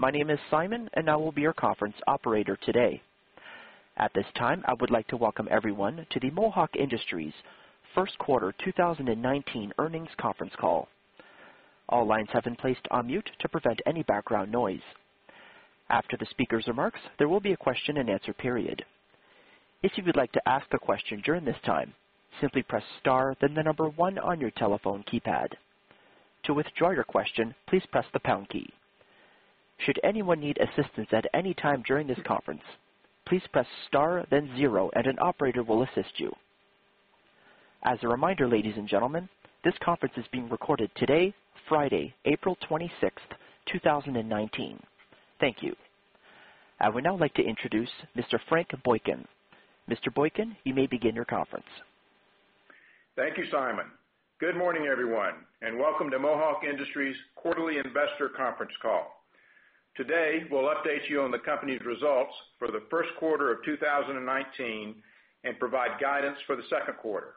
My name is Simon. I will be your Conference Operator today. At this time, I would like to welcome everyone to the Mohawk Industries First Quarter 2019 Earnings Conference Call. All lines have been placed on mute to prevent any background noise. After the speaker's remarks, there will be a question-and-answer period. If you would like to ask a question during this time, simply press star, then the number one on your telephone keypad. To withdraw your question, please press the pound key. Should anyone need assistance at any time during this conference, please press star then zero and an Operator will assist you. As a reminder, ladies and gentlemen, this conference is being recorded today, Friday, April 26th, 2019. Thank you. I would now like to introduce Mr. Frank Boykin. Mr. Boykin, you may begin your conference. Thank you, Simon. Good morning, everyone. Welcome to Mohawk Industries Quarterly Investor Conference Call. Today, we'll update you on the company's results for the first quarter of 2019 and provide guidance for the second quarter.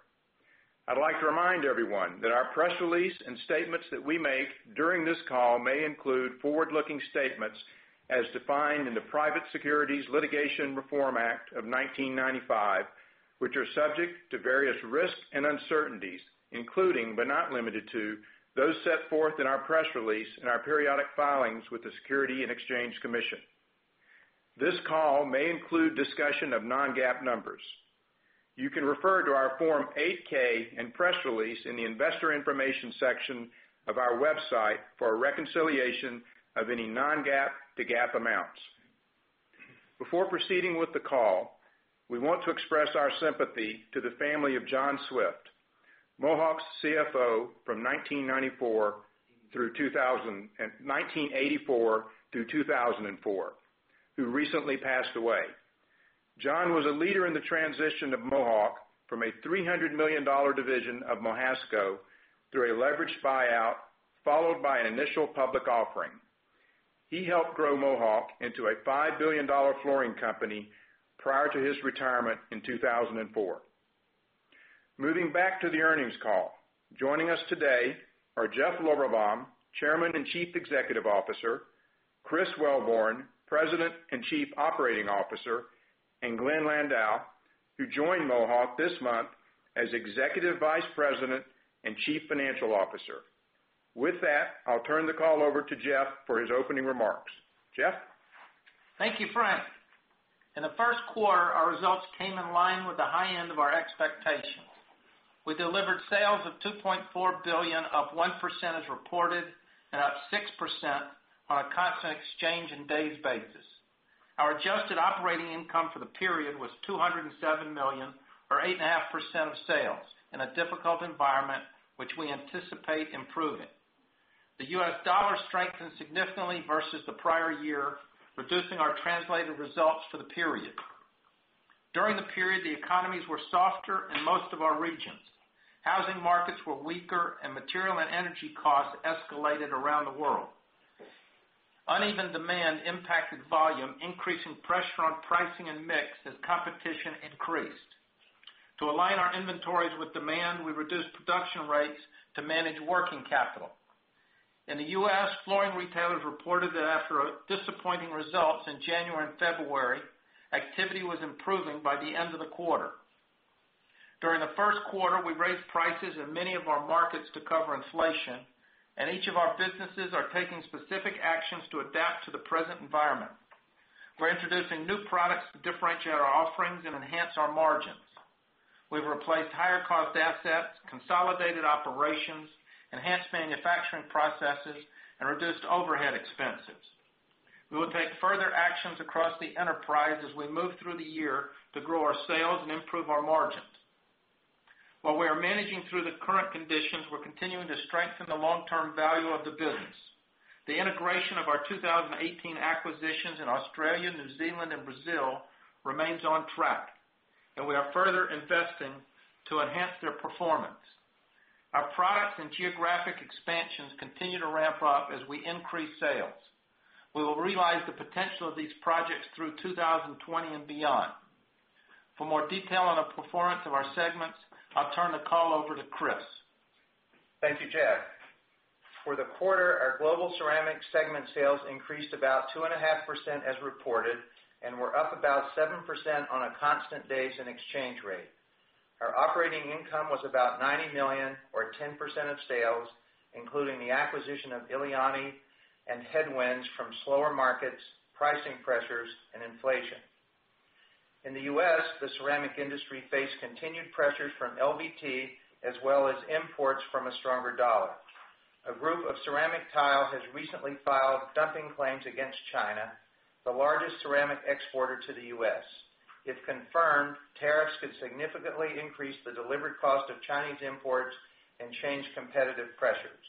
I'd like to remind everyone that our press release and statements that we make during this call may include forward-looking statements as defined in the Private Securities Litigation Reform Act of 1995, which are subject to various risks and uncertainties, including, but not limited to, those set forth in our press release and our periodic filings with the Securities and Exchange Commission. This call may include discussion of non-GAAP numbers. You can refer to our Form 8-K and press release in the investor information section of our website for a reconciliation of any non-GAAP to GAAP amounts. Before proceeding with the call, we want to express our sympathy to the family of John Swift, Mohawk's CFO from 1984 through 2004, who recently passed away. John was a leader in the transition of Mohawk from a $300 million division of Mohasco through a leveraged buyout, followed by an initial public offering. He helped grow Mohawk into a $5 billion flooring company prior to his retirement in 2004. Moving back to the earnings call. Joining us today are Jeff Lorberbaum, Chairman and Chief Executive Officer, Chris Wellborn, President and Chief Operating Officer, and Glenn Landau, who joined Mohawk this month as Executive Vice President and Chief Financial Officer. With that, I'll turn the call over to Jeff for his opening remarks. Jeff? Thank you, Frank. In the first quarter, our results came in line with the high end of our expectations. We delivered sales of $2.4 billion, up 1% as reported, up 6% on a constant exchange and days basis. Our adjusted operating income for the period was $207 million or 8.5% of sales in a difficult environment, which we anticipate improving. The U.S. dollar strengthened significantly versus the prior year, reducing our translated results for the period. During the period, the economies were softer in most of our regions. Housing markets were weaker, and material and energy costs escalated around the world. Uneven demand impacted volume, increasing pressure on pricing and mix as competition increased. To align our inventories with demand, we reduced production rates to manage working capital. In the U.S., flooring retailers reported that after disappointing results in January and February, activity was improving by the end of the quarter. During the first quarter, we raised prices in many of our markets to cover inflation, and each of our businesses are taking specific actions to adapt to the present environment. We're introducing new products to differentiate our offerings and enhance our margins. We've replaced higher cost assets, consolidated operations, enhanced manufacturing processes, and reduced overhead expenses. We will take further actions across the enterprise as we move through the year to grow our sales and improve our margins. While we are managing through the current conditions, we're continuing to strengthen the long-term value of the business. The integration of our 2018 acquisitions in Australia, New Zealand, and Brazil remains on track, and we are further investing to enhance their performance. Our products and geographic expansions continue to ramp up as we increase sales. We will realize the potential of these projects through 2020 and beyond. For more detail on the performance of our segments, I'll turn the call over to Chris. Thank you, Jeff. For the quarter, our Global Ceramic segment sales increased about 2.5% as reported and were up about 7% on a constant base and exchange rate. Our operating income was about $90 million or 10% of sales, including the acquisition of Eliane and headwinds from slower markets, pricing pressures, and inflation. In the U.S., the ceramic industry faced continued pressures from LVT as well as imports from a stronger dollar. A group of ceramic tile has recently filed dumping claims against China, the largest ceramic exporter to the U.S. If confirmed, tariffs could significantly increase the delivered cost of Chinese imports and change competitive pressures.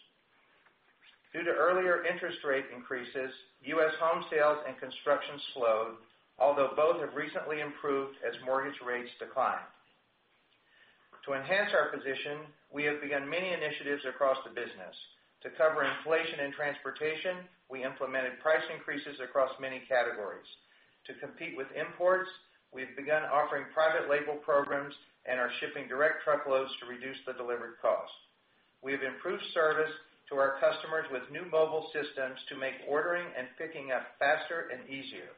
Due to earlier interest rate increases, U.S. home sales and construction slowed, although both have recently improved as mortgage rates decline. To enhance our position, we have begun many initiatives across the business. To cover inflation and transportation, we implemented price increases across many categories. To compete with imports, we've begun offering private label programs and are shipping direct truckloads to reduce the delivered cost. We have improved service to our customers with new mobile systems to make ordering and picking up faster and easier.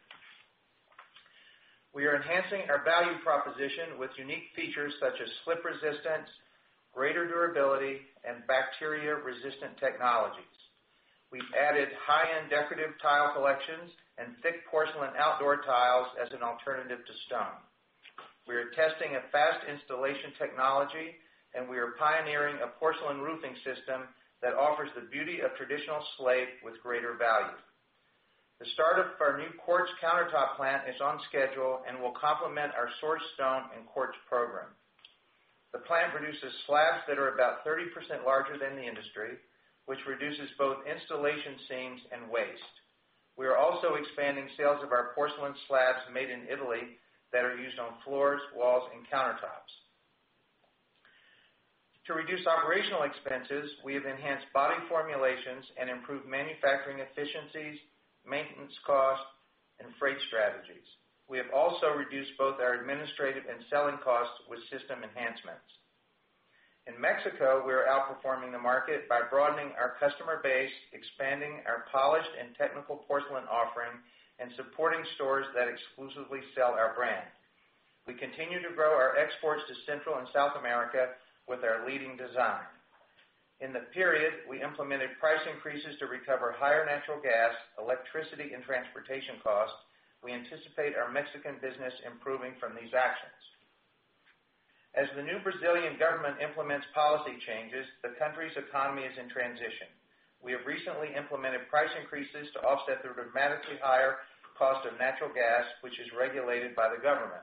We are enhancing our value proposition with unique features such as slip resistance, greater durability, and bacteria-resistant technologies. We've added high-end decorative tile collections and thick porcelain outdoor tiles as an alternative to stone. We are testing a fast installation technology, and we are pioneering a porcelain roofing system that offers the beauty of traditional slate with greater value. The start-up for our new quartz countertop plant is on schedule and will complement our source stone and quartz program. The plant produces slabs that are about 30% larger than the industry, which reduces both installation seams and waste. We are also expanding sales of our porcelain slabs made in Italy that are used on floors, walls, and countertops. To reduce operational expenses, we have enhanced body formulations and improved manufacturing efficiencies, maintenance costs, and freight strategies. We have also reduced both our administrative and selling costs with system enhancements. In Mexico, we are outperforming the market by broadening our customer base, expanding our polished and technical porcelain offering, and supporting stores that exclusively sell our brand. We continue to grow our exports to Central and South America with our leading design. In the period, we implemented price increases to recover higher natural gas, electricity, and transportation costs. We anticipate our Mexican business improving from these actions. As the new Brazilian government implements policy changes, the country's economy is in transition. We have recently implemented price increases to offset the dramatically higher cost of natural gas, which is regulated by the government.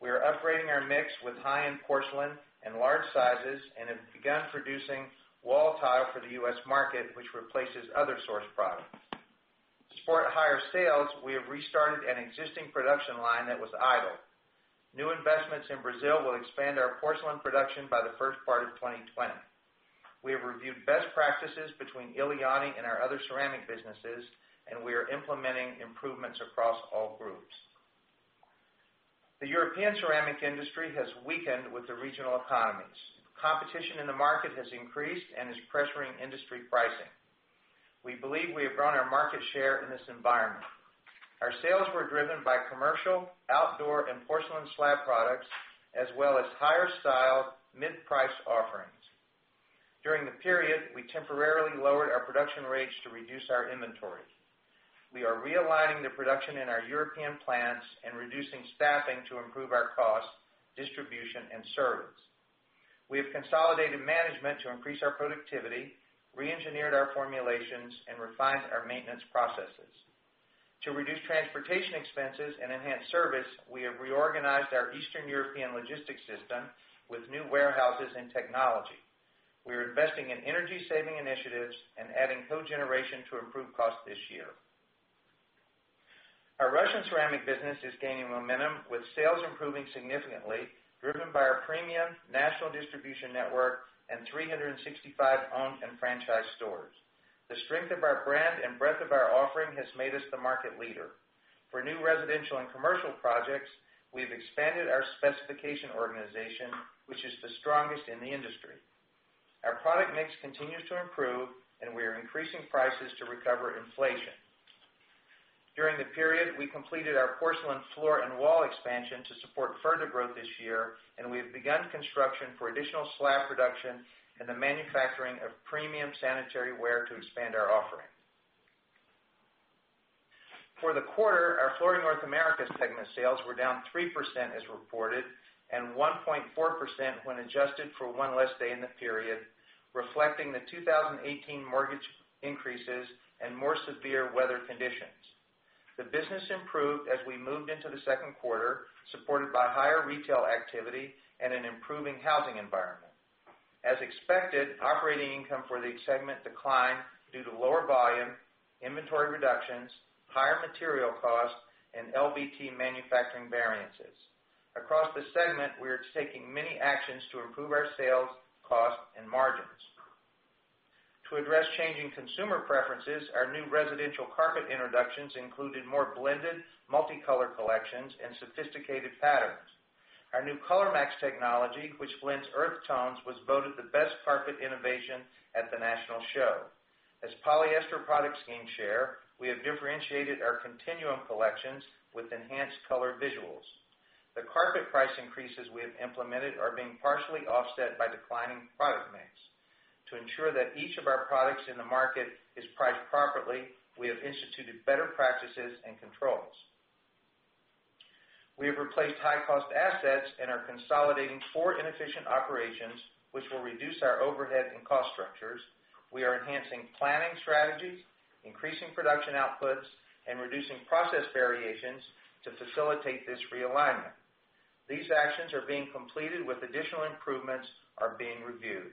We are upgrading our mix with high-end porcelain and large sizes and have begun producing wall tile for the U.S. market, which replaces other source products. To support higher sales, we have restarted an existing production line that was idle. New investments in Brazil will expand our porcelain production by the first part of 2020. We have reviewed best practices between Eliane and our other ceramic businesses, and we are implementing improvements across all groups. The European ceramic industry has weakened with the regional economies. Competition in the market has increased and is pressuring industry pricing. We believe we have grown our market share in this environment. Our sales were driven by commercial, outdoor, and porcelain slab products, as well as higher style, mid-price offerings. During the period, we temporarily lowered our production rates to reduce our inventory. We are realigning the production in our European plants and reducing staffing to improve our cost, distribution, and service. We have consolidated management to increase our productivity, reengineered our formulations, and refined our maintenance processes. To reduce transportation expenses and enhance service, we have reorganized our Eastern European logistics system with new warehouses and technology. We are investing in energy-saving initiatives and adding cogeneration to improve costs this year. Our Russian ceramic business is gaining momentum, with sales improving significantly, driven by our premium national distribution network and 365 owned and franchised stores. The strength of our brand and breadth of our offering has made us the market leader. For new residential and commercial projects, we've expanded our specification organization, which is the strongest in the industry. Our product mix continues to improve, and we are increasing prices to recover inflation. During the period, we completed our porcelain floor and wall expansion to support further growth this year, and we have begun construction for additional slab production and the manufacturing of premium sanitary ware to expand our offering. For the quarter, our Flooring North America segment sales were down 3% as reported, and 1.4% when adjusted for one less day in the period, reflecting the 2018 mortgage increases and more severe weather conditions. The business improved as we moved into the second quarter, supported by higher retail activity and an improving housing environment. As expected, operating income for the segment declined due to lower volume, inventory reductions, higher material costs, and LVT manufacturing variances. Across the segment, we are taking many actions to improve our sales, costs, and margins. To address changing consumer preferences, our new residential carpet introductions included more blended, multicolor collections, and sophisticated patterns. Our new ColorMax technology, which blends earth tones, was voted the best carpet innovation at the national show. As polyester products gain share, we have differentiated our Continuum collections with enhanced color visuals. The carpet price increases we have implemented are being partially offset by declining product mix. To ensure that each of our products in the market is priced properly, we have instituted better practices and controls. We have replaced high-cost assets and are consolidating four inefficient operations, which will reduce our overhead and cost structures. We are enhancing planning strategies, increasing production outputs, and reducing process variations to facilitate this realignment. These actions are being completed with additional improvements are being reviewed.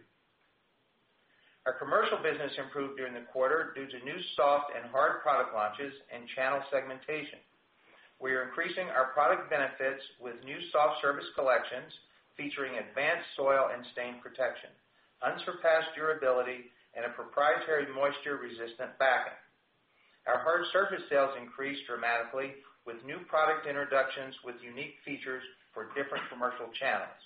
Our commercial business improved during the quarter due to new soft and hard product launches and channel segmentation. We are increasing our product benefits with new soft surface collections featuring advanced soil and stain protection, unsurpassed durability, and a proprietary moisture-resistant backing. Our hard surface sales increased dramatically with new product introductions with unique features for different commercial channels.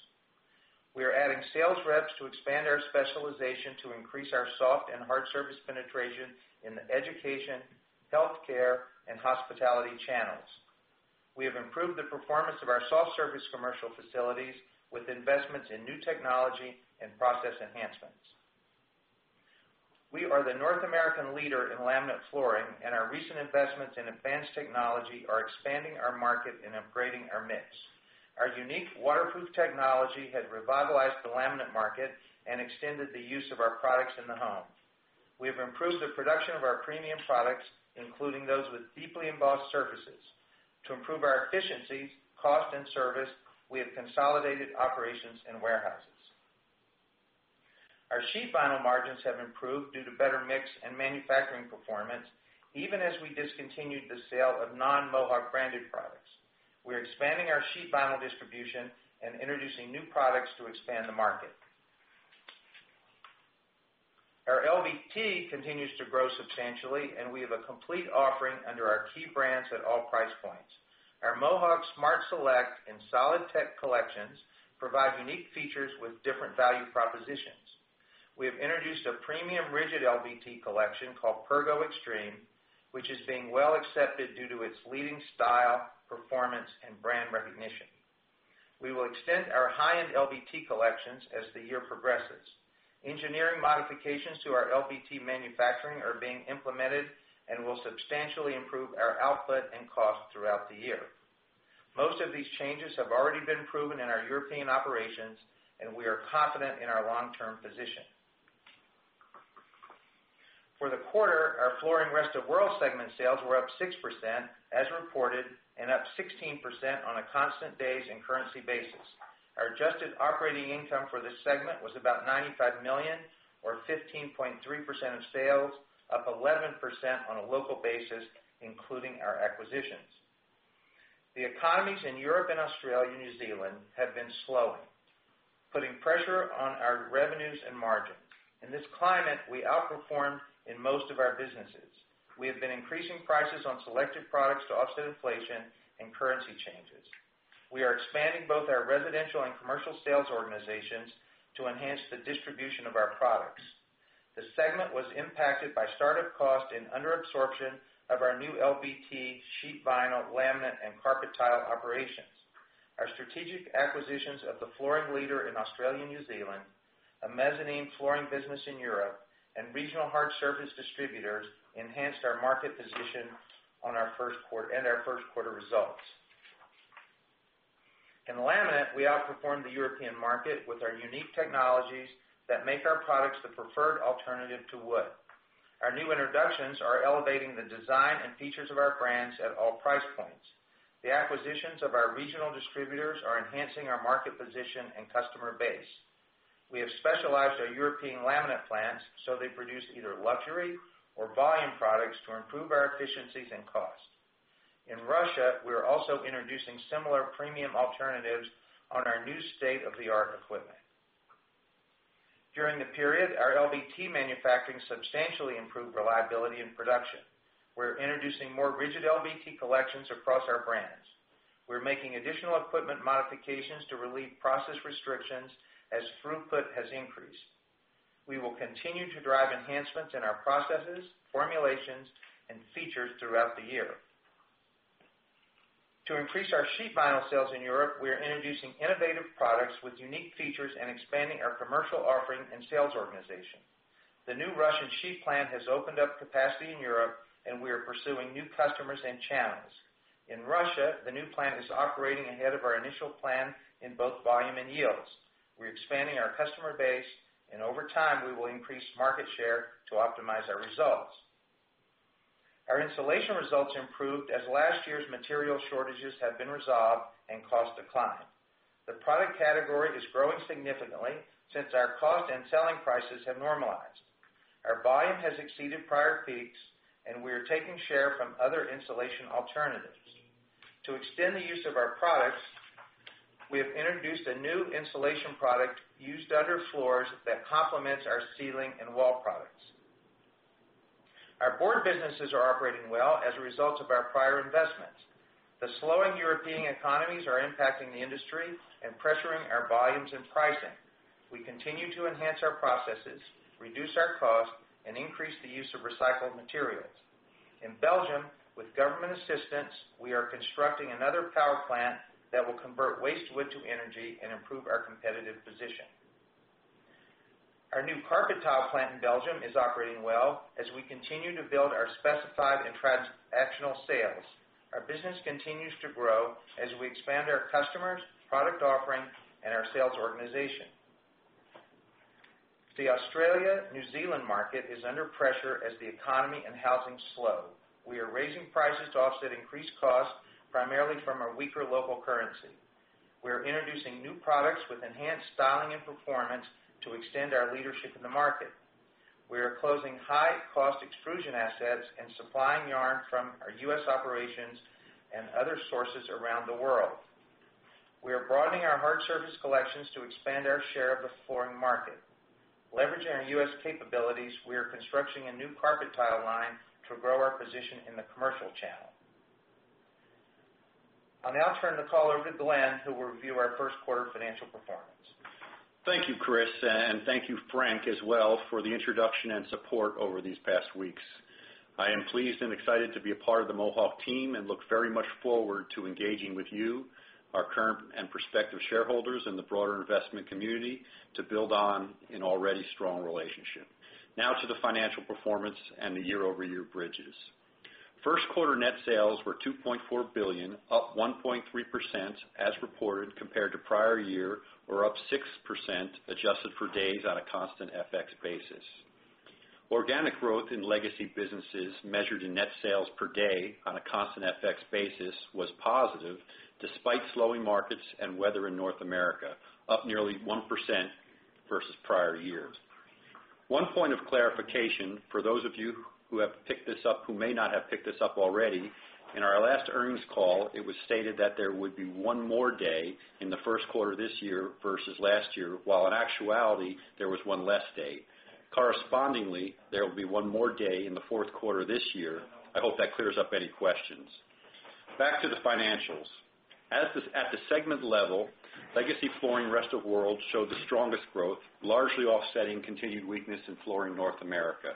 We are adding sales reps to expand our specialization to increase our soft and hard surface penetration in the education, healthcare, and hospitality channels. We have improved the performance of our soft surface commercial facilities with investments in new technology and process enhancements. We are the North American leader in laminate flooring, and our recent investments in advanced technology are expanding our market and upgrading our mix. Our unique waterproof technology has revitalized the laminate market and extended the use of our products in the home. We have improved the production of our premium products, including those with deeply embossed surfaces. To improve our efficiencies, cost, and service, we have consolidated operations and warehouses. Our sheet vinyl margins have improved due to better mix and manufacturing performance, even as we discontinued the sale of non-Mohawk branded products. We are expanding our sheet vinyl distribution and introducing new products to expand the market. Our LVT continues to grow substantially, and we have a complete offering under our key brands at all price points. Our Mohawk Smart Select and SolidTech collections provide unique features with different value propositions. We have introduced a premium rigid LVT collection called Pergo Extreme, which is being well accepted due to its leading style, performance, and brand recognition. We will extend our high-end LVT collections as the year progresses. Engineering modifications to our LVT manufacturing are being implemented and will substantially improve our output and cost throughout the year. Most of these changes have already been proven in our European operations, we are confident in our long-term position. For the quarter, our Flooring Rest of World segment sales were up 6% as reported and up 16% on a constant days and currency basis. Our adjusted operating income for this segment was about $95 million or 15.3% of sales, up 11% on a local basis, including our acquisitions. The economies in Europe and Australia/New Zealand have been slowing, putting pressure on our revenues and margins. In this climate, we outperformed in most of our businesses. We have been increasing prices on selected products to offset inflation and currency changes. We are expanding both our residential and commercial sales organizations to enhance the distribution of our products. The segment was impacted by startup costs and underabsorption of our new LVT, sheet vinyl, laminate, and carpet tile operations. Our strategic acquisitions of the flooring leader in Australia, New Zealand, a mezzanine flooring business in Europe, and regional hard surface distributors enhanced our market position and our first quarter results. In laminate, we outperformed the European market with our unique technologies that make our products the preferred alternative to wood. Our new introductions are elevating the design and features of our brands at all price points. The acquisitions of our regional distributors are enhancing our market position and customer base. We have specialized our European laminate plants, so they produce either luxury or volume products to improve our efficiencies and cost. In Russia, we are also introducing similar premium alternatives on our new state-of-the-art equipment. During the period, our LVT manufacturing substantially improved reliability and production. We're introducing more rigid LVT collections across our brands. We're making additional equipment modifications to relieve process restrictions as throughput has increased. We will continue to drive enhancements in our processes, formulations, and features throughout the year. To increase our sheet vinyl sales in Europe, we are introducing innovative products with unique features and expanding our commercial offering and sales organization. The new Russian sheet plant has opened up capacity in Europe, we are pursuing new customers and channels. In Russia, the new plant is operating ahead of our initial plan in both volume and yields. We're expanding our customer base, over time, we will increase market share to optimize our results. Our insulation results improved as last year's material shortages have been resolved and costs declined. The product category is growing significantly since our cost and selling prices have normalized. Our volume has exceeded prior peaks, and we are taking share from other insulation alternatives. To extend the use of our products, we have introduced a new insulation product used under floors that complements our ceiling and wall products. Our board businesses are operating well as a result of our prior investments. The slowing European economies are impacting the industry and pressuring our volumes and pricing. We continue to enhance our processes, reduce our cost, and increase the use of recycled materials. In Belgium, with government assistance, we are constructing another power plant that will convert waste wood to energy and improve our competitive position. Our new carpet tile plant in Belgium is operating well as we continue to build our specified and transactional sales. Our business continues to grow as we expand our customers, product offering, and our sales organization. The Australia, New Zealand market is under pressure as the economy and housing slow. We are raising prices to offset increased costs, primarily from our weaker local currency. We are introducing new products with enhanced styling and performance to extend our leadership in the market. We are closing high-cost extrusion assets and supplying yarn from our U.S. operations and other sources around the world. We are broadening our hard surface collections to expand our share of the flooring market. Leveraging our U.S. capabilities, we are constructing a new carpet tile line to grow our position in the commercial channel. I'll now turn the call over to Glenn, who will review our first quarter financial performance. Thank you, Chris, and thank you, Frank, as well for the introduction and support over these past weeks. I am pleased and excited to be a part of the Mohawk team and look very much forward to engaging with you, our current and prospective shareholders, and the broader investment community to build on an already strong relationship. To the financial performance and the year-over-year bridges. First quarter net sales were $2.4 billion, up 1.3% as reported compared to prior year, or up 6% adjusted for days on a constant FX basis. Organic growth in legacy businesses measured in net sales per day on a constant FX basis was positive despite slowing markets and weather in North America, up nearly 1% versus prior years. One point of clarification for those of you who may not have picked this up already. In our last earnings call, it was stated that there would be one more day in the first quarter this year versus last year, while in actuality, there was one less day. There will be one more day in the fourth quarter this year. I hope that clears up any questions. Back to the financials. At the segment level, Legacy Flooring Rest of the World showed the strongest growth, largely offsetting continued weakness in Flooring North America.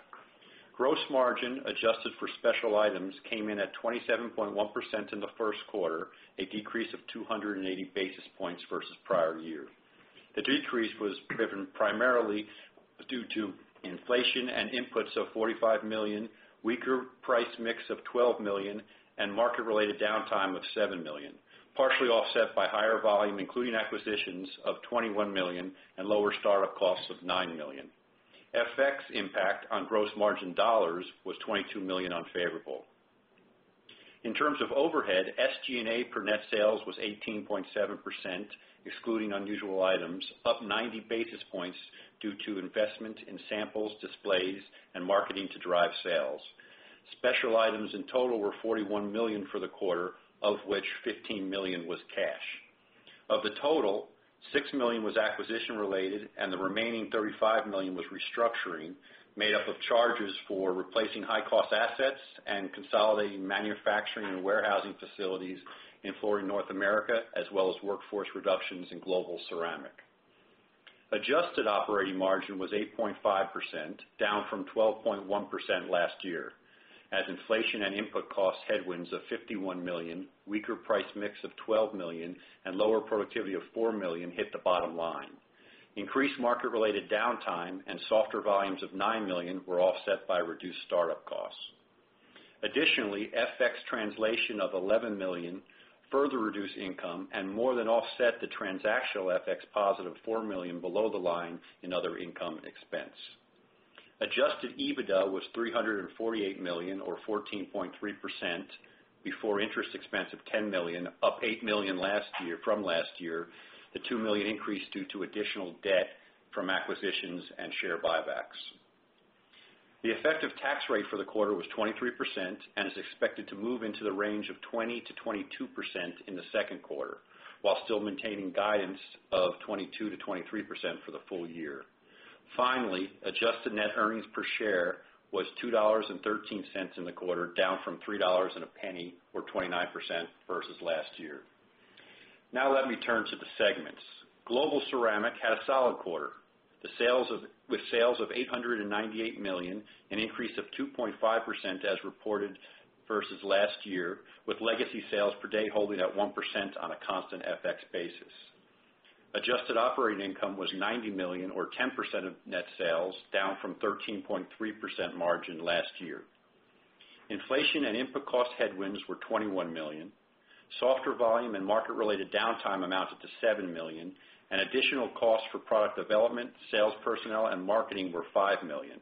Gross margin adjusted for special items came in at 27.1% in the first quarter, a decrease of 280 basis points versus prior year. The decrease was driven primarily due to inflation and inputs of $45 million, weaker price mix of 12 million, and market-related downtime of $7 million, partially offset by higher volume, including acquisitions of $21 million and lower startup costs of $9 million. FX impact on gross margin dollars was $22 million unfavorable. In terms of overhead, SG&A per net sales was 18.7%, excluding unusual items, up 90 basis points due to investment in samples, displays, and marketing to drive sales. Special items in total were $41 million for the quarter, of which 15 million was cash. Of the total, $6 million was acquisition-related, and the remaining 35 million was restructuring, made up of charges for replacing high-cost assets and consolidating manufacturing and warehousing facilities in Flooring North America, as well as workforce reductions in Global Ceramic. Adjusted operating margin was 8.5%, down from 12.1% last year, as inflation and input cost headwinds of $51 million, weaker price mix of $12 million, and lower productivity of $4 million hit the bottom line. Increased market-related downtime and softer volumes of $9 million were offset by reduced startup costs. Additionally, FX translation of $11 million further reduced income and more than offset the transactional FX positive of $4 million below the line in other income expense. Adjusted EBITDA was $348 million, or 14.3%, before interest expense of $10 million, up 8 million from last year. The $2 million increase due to additional debt from acquisitions and share buybacks. The effective tax rate for the quarter was 23% and is expected to move into the range of 20%-22% in the second quarter, while still maintaining guidance of 22%-23% for the full year. Finally, adjusted net earnings per share was $2.13 in the quarter, down from 3.01, or 29%, versus last year. Let me turn to the segments. Global Ceramic had a solid quarter with sales of $898 million, an increase of 2.5% as reported versus last year, with legacy sales per day holding at 1% on a constant FX basis. Adjusted operating income was $90 million or 10% of net sales, down from 13.3% margin last year. Inflation and input cost headwinds were $21 million. Softer volume and market-related downtime amounted to $7 million, and additional costs for product development, sales personnel, and marketing were $5 million.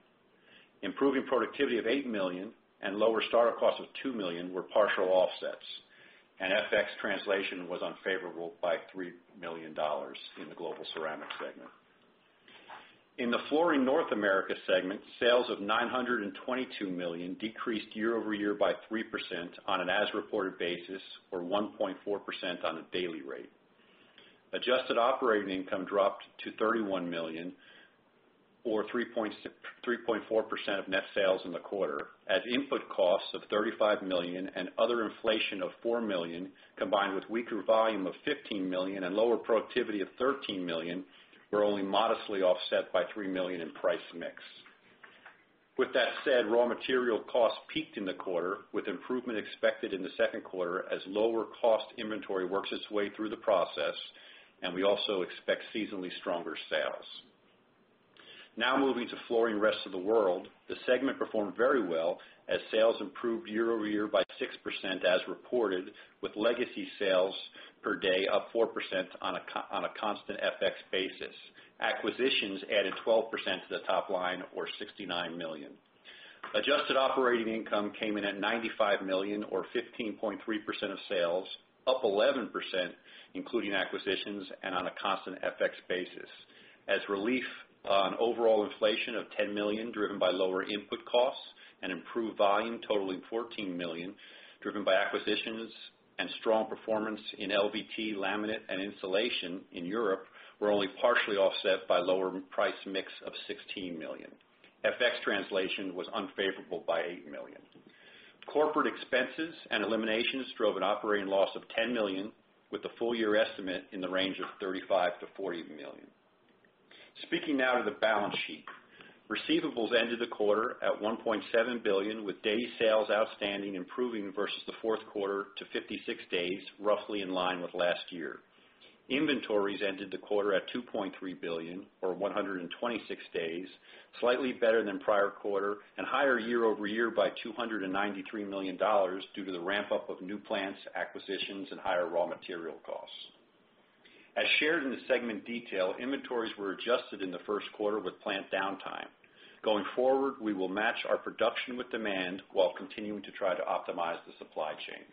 Improving productivity of $8 million and lower startup costs of $2 million were partial offsets. FX translation was unfavorable by $3 million in the Global Ceramic segment. In the Flooring North America segment, sales of $922 million decreased year-over-year by 3% on an as-reported basis, or 1.4% on a daily rate. Adjusted operating income dropped to $31 million or 3.4% of net sales in the quarter, as input costs of $35 million and other inflation of 4 million, combined with weaker volume of $15 million and lower productivity of 13 million, were only modestly offset by $3 million in price mix. With that said, raw material costs peaked in the quarter, with improvement expected in the second quarter as lower cost inventory works its way through the process, and we also expect seasonally stronger sales. Moving to Flooring Rest of the World. The segment performed very well as sales improved year-over-year by 6% as reported, with legacy sales per day up 4% on a constant FX basis. Acquisitions added 12% to the top line or $69 million. Adjusted operating income came in at $95 million or 15.3% of sales, up 11%, including acquisitions and on a constant FX basis. Relief on overall inflation of $10 million driven by lower input costs and improved volume totaling $14 million, driven by acquisitions and strong performance in LVT laminate and insulation in Europe were only partially offset by lower price mix of $16 million. FX translation was unfavorable by $8 million. Corporate expenses and eliminations drove an operating loss of $10 million with the full-year estimate in the range of $35 million-40 million. Speaking now to the balance sheet. Receivables ended the quarter at $1.7 billion, with day sales outstanding improving versus the fourth quarter to 56 days, roughly in line with last year. Inventories ended the quarter at $2.3 billion, or 126 days, slightly better than prior quarter and higher year-over-year by $293 million due to the ramp-up of new plants, acquisitions, and higher raw material costs. As shared in the segment detail, inventories were adjusted in the first quarter with plant downtime. Going forward, we will match our production with demand while continuing to try to optimize the supply chain.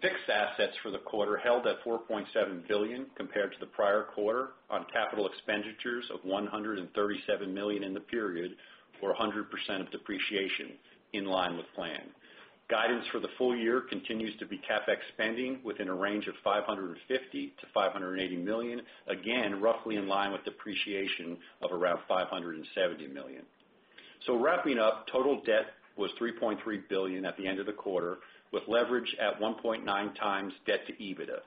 Fixed assets for the quarter held at $4.7 billion compared to the prior quarter on capital expenditures of $137 million in the period, or 100% of depreciation in line with plan. Guidance for the full year continues to be CapEx spending within a range of $550 million-580 million, again, roughly in line with depreciation of around $570 million. Wrapping up, total debt was $3.3 billion at the end of the quarter, with leverage at 1.9 times debt to EBITDA.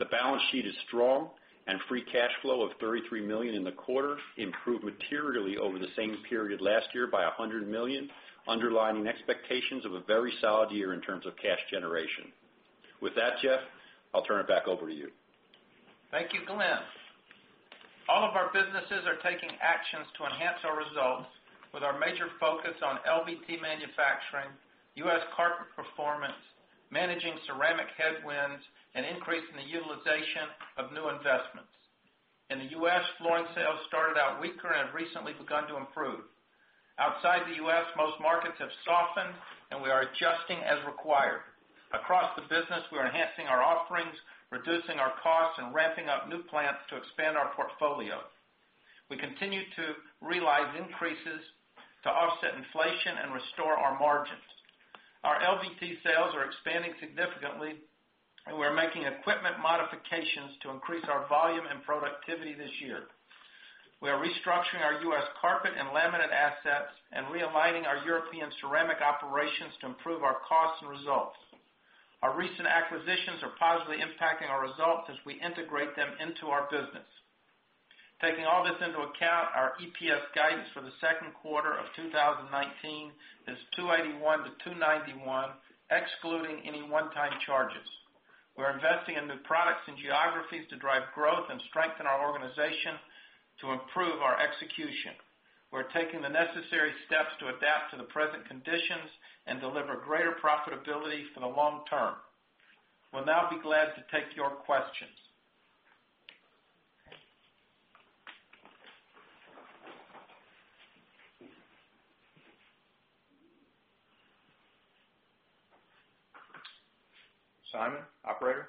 The balance sheet is strong and free cash flow of $33 million in the quarter improved materially over the same period last year by $100 million, underlying expectations of a very solid year in terms of cash generation. With that, Jeff, I'll turn it back over to you. Thank you, Glenn. All of our businesses are taking actions to enhance our results with our major focus on LVT manufacturing, U.S. carpet performance, managing ceramic headwinds, and increasing the utilization of new investments. In the U.S., flooring sales started out weaker and have recently begun to improve. Outside the U.S., most markets have softened, and we are adjusting as required. Across the business, we're enhancing our offerings, reducing our costs, and ramping up new plants to expand our portfolio. We continue to realize increases to offset inflation and restore our margins. Our LVT sales are expanding significantly, and we're making equipment modifications to increase our volume and productivity this year. We are restructuring our U.S. carpet and laminate assets and realigning our European ceramic operations to improve our costs and results. Our recent acquisitions are positively impacting our results as we integrate them into our business. Taking all this into account, our EPS guidance for the second quarter of 2019 is $2.81-2.91, excluding any one-time charges. We're investing in new products and geographies to drive growth and strengthen our organization to improve our execution. We're taking the necessary steps to adapt to the present conditions and deliver greater profitability for the long term. We'll now be glad to take your questions. Simon? Operator?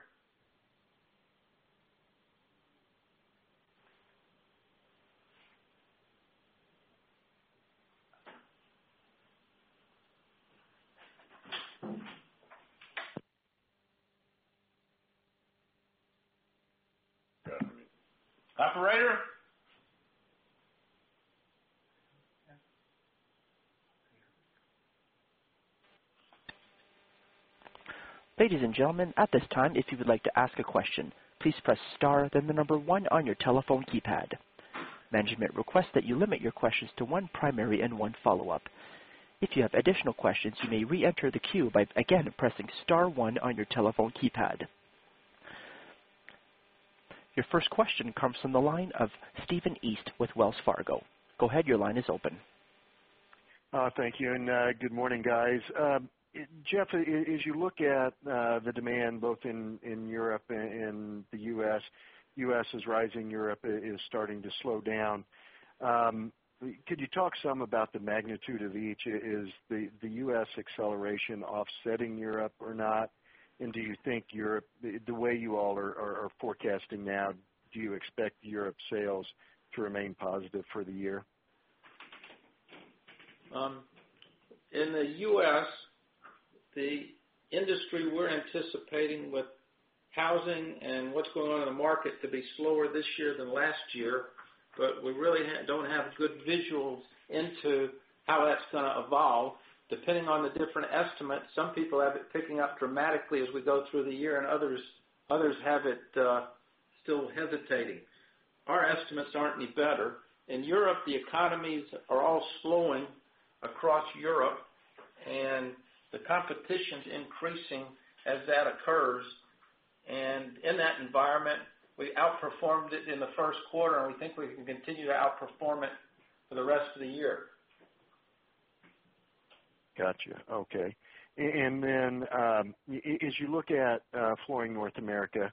Operator? Ladies and gentlemen, at this time, if you would like to ask a question, please press star then the number one on your telephone keypad. Management requests that you limit your questions to one primary and one follow-up. If you have additional questions, you may reenter the queue by, again, pressing star one on your telephone keypad. Your first question comes from the line of Stephen East with Wells Fargo. Go ahead, your line is open. Thank you. Good morning, guys. Jeff, as you look at the demand both in Europe and the U.S., U.S. is rising, Europe is starting to slow down. Could you talk some about the magnitude of each? Is the U.S. acceleration offsetting Europe or not? Do you think Europe, the way you all are forecasting now, do you expect Europe sales to remain positive for the year? In the U.S., the industry we're anticipating with housing and what's going on in the market to be slower this year than last year. But we really don't have good visuals into how that's going to evolve. Depending on the different estimates, some people have it picking up dramatically as we go through the year. Others have it still hesitating. Our estimates aren't any better. In Europe, the economies are all slowing across Europe. The competition's increasing as that occurs. In that environment, we outperformed it in the first quarter, and we think we can continue to outperform it for the rest of the year. Gotcha. Okay. As you look at Flooring North America,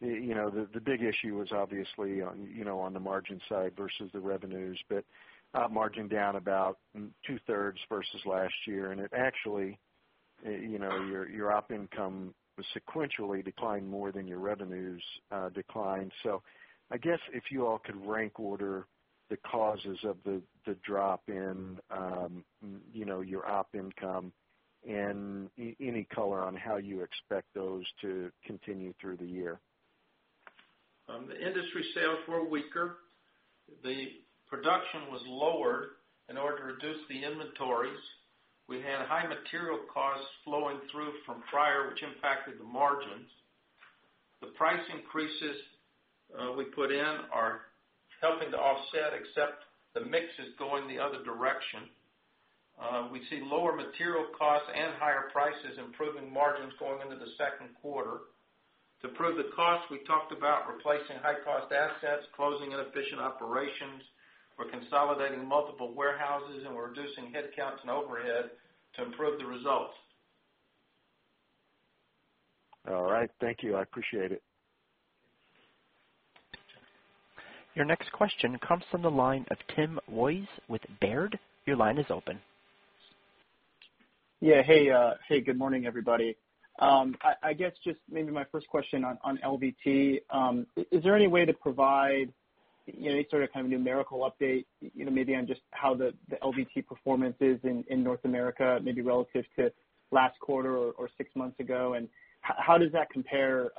you know, the big issue was obviously on the margin side versus the revenues. Margin down about 2/3 versus last year. It actually, your, you know, Op Income sequentially declined more than your revenues declined. I guess if you all could rank order the causes of the drop in your Op Income and any color on how you expect those to continue through the year. The industry sales were weaker. The production was lower in order to reduce the inventories. We had high material costs flowing through from prior, which impacted the margins. The price increases we put in are helping to offset, except the mix is going the other direction. We see lower material costs and higher prices improving margins going into the second quarter. To improve the costs, we talked about replacing high-cost assets, closing inefficient operations. We're consolidating multiple warehouses, and we're reducing headcounts and overhead to improve the results. All right. Thank you. I appreciate it. Your next question comes from the line of Tim Wojs with Baird. Your line is open. Yeah. Hey good morning, everybody. I guess just maybe my first question on LVT. Is there any way to provide any sort of numerical update maybe on just how the LVT performance is in North America, maybe relative to last quarter or six months ago? How does that compare,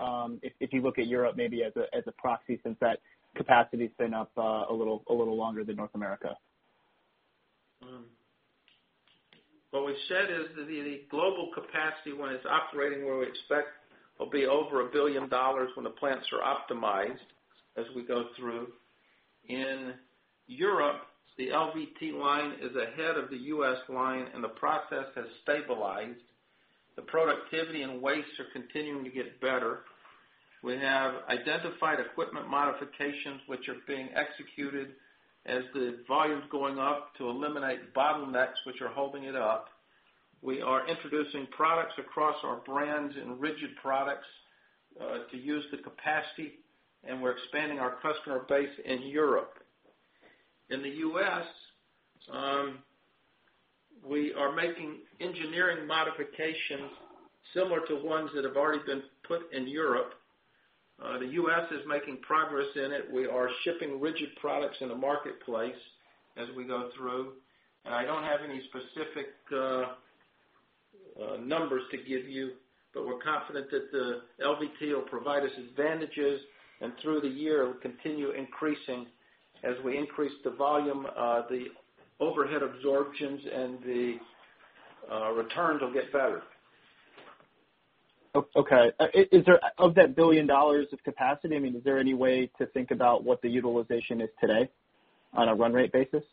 if you look at Europe, maybe as a proxy, since that capacity's been up a little longer than North America? What we've said is that the global capacity, when it's operating where we expect, will be over $1 billion when the plants are optimized as we go through. In Europe, the LVT line is ahead of the U.S. line, and the process has stabilized. The productivity and waste are continuing to get better. We have identified equipment modifications, which are being executed as the volume's going up to eliminate bottlenecks, which are holding it up. We are introducing products across our brands in rigid products to use the capacity, and we're expanding our customer base in Europe. In the U.S., we are making engineering modifications similar to ones that have already been put in Europe. The U.S. is making progress in it. We are shipping rigid products in the marketplace as we go through. I don't have any specific numbers to give you, but we're confident that the LVT will provide us advantages, and through the year, it will continue increasing as we increase the volume, the overhead absorptions and the returns will get better. Okay. Of that $1 billion of capacity, is there any way to think about what the utilization is today on a run rate basis?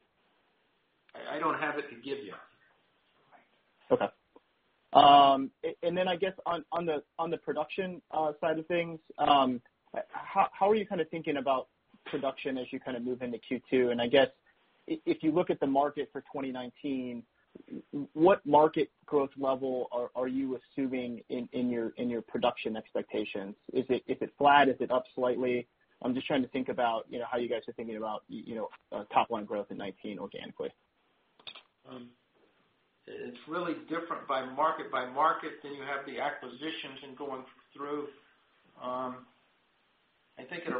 I don't have it to give you. Okay. And then I guess on the production side of things, how are you thinking about production as you move into Q2? I guess if you look at the market for 2019, what market growth level are you assuming in your production expectations? Is it flat? Is it up slightly? I'm just trying to think about how you guys are thinking about top line growth in 2019 organically. It's really different by market. You have the acquisitions and going through.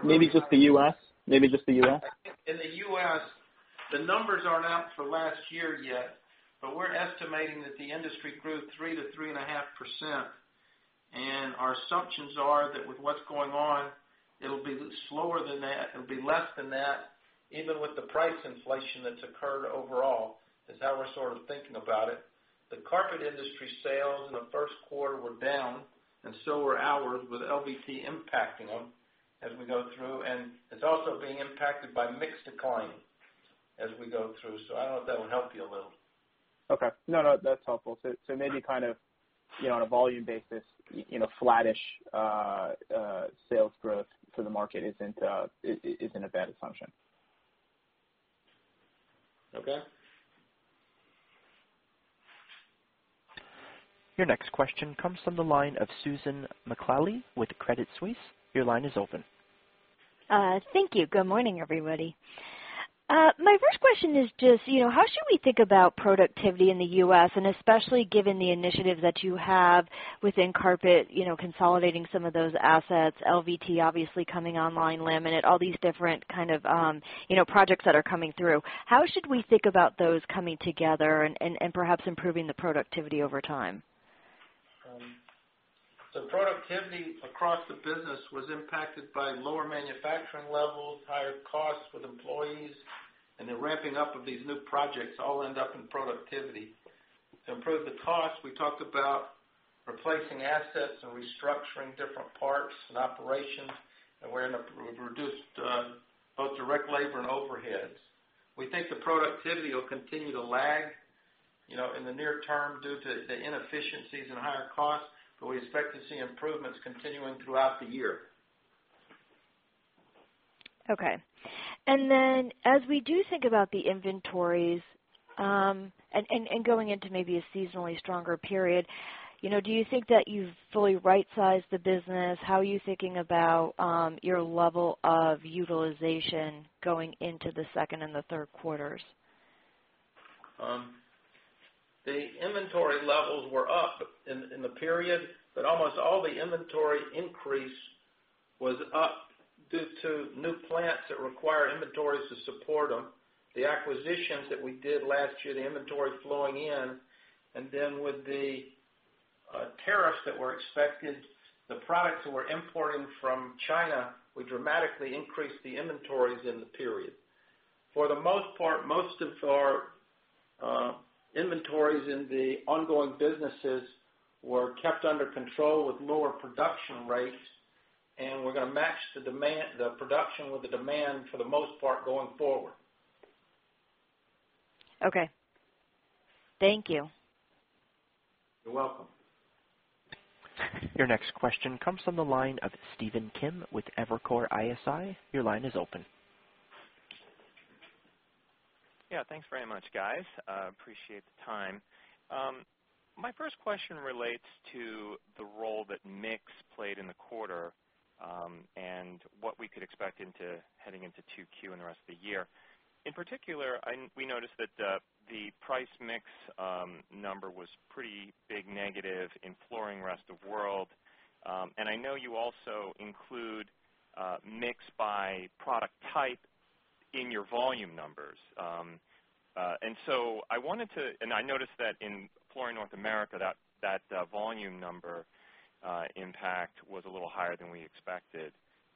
Maybe just the U.S. In the U.S., the numbers aren't out for last year yet, we're estimating that the industry grew 3%-3.5%, our assumptions are that with what's going on, it'll be slower than that. It'll be less than that, even with the price inflation that's occurred overall, is how we're sort of thinking about it. The carpet industry sales in the first quarter were down, so were ours with LVT impacting them as we go through, it's also being impacted by mix decline as we go through. I don't know if that would help you a little. Okay. that's helpful. Maybe on a volume basis, flattish sales growth for the market isn't a bad assumption. Okay. Your next question comes from the line of Susan Maklari with Credit Suisse. Your line is open. Thank you. Good morning, everybody. My first question is just how should we think about productivity in the U.S. and especially given the initiatives that you have within carpet, consolidating some of those assets, LVT obviously coming online, laminate, all these different kind of projects that are coming through. How should we think about those coming together and perhaps improving the productivity over time? Productivity across the business was impacted by lower manufacturing levels, higher costs with employees, and the ramping up of these new projects all end up in productivity. To improve the costs, we talked about replacing assets and restructuring different parts and operations, and we're going to reduce both direct labor and overheads. We think the productivity will continue to lag in the near term due to the inefficiencies and higher costs, but we expect to see improvements continuing throughout the year. Okay. As we do think about the inventories, going into maybe a seasonally stronger period, do you think that you've fully right-sized the business? How are you thinking about your level of utilization going into the second and the third quarters? The inventory levels were up in the period, but almost all the inventory increase was up due to new plants that require inventories to support them. The acquisitions that we did last year, the inventory flowing in, and then with the tariffs that were expected, the products that we're importing from China would dramatically increase the inventories in the period. For the most part, most of our inventories in the ongoing businesses were kept under control with lower production rates, and we're going to match the production with the demand for the most part going forward. Okay. Thank you. You're welcome. Your next question comes from the line of Stephen Kim with Evercore ISI. Your line is open. Yeah. Thanks very much, guys. Appreciate the time. My first question relates to the role that mix played in the quarter, and what we could expect heading into 2Q and the rest of the year. In particular, we noticed that the price mix number was pretty big negative in Flooring Rest of the World. I know you also include mix by product type in your volume numbers. I noticed that in Flooring North America, that volume number impact was a little higher than we expected.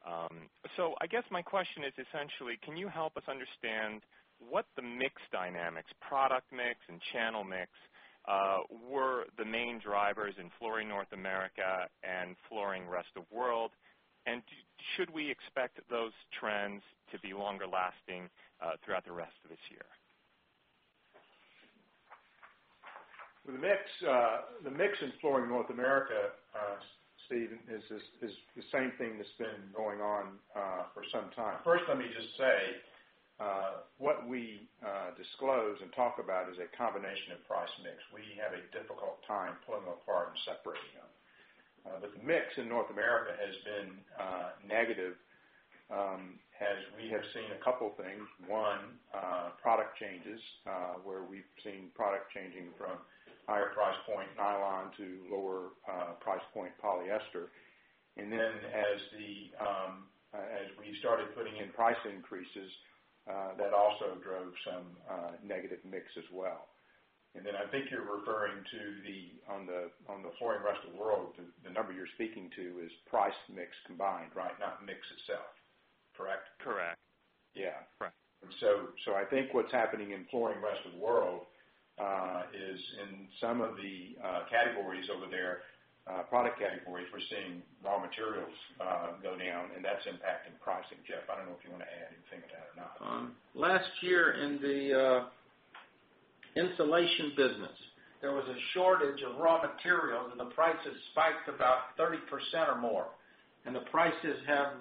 I guess my question is essentially, can you help us understand what the mix dynamics, product mix, and channel mix, were the main drivers in Flooring North America and Flooring Rest of the World? Should we expect those trends to be longer lasting throughout the rest of this year? The mix in Flooring North America, Stephen, is the same thing that's been going on for some time. First, let me just say, what we disclose and talk about is a combination of price mix. We have a difficult time pulling them apart and separating them. The mix in North America has been negative, as we have seen a couple things. One, product changes, where we've seen product changing from higher price point nylon to lower price point polyester. As we started putting in price increases, that also drove some negative mix as well. And then, I think you're referring to on the Flooring Rest of the World, the number you're speaking to is price mix combined, right? Not mix itself. Correct? Correct. Yeah. Correct. I think what's happening in Flooring Rest of the World is in some of the categories over there, product categories, we're seeing raw materials go down, and that's impacting pricing. Jeff, I don't know if you want to add anything to that or not. Last year in the insulation business, there was a shortage of raw materials, the prices spiked about 30% or more. The prices have,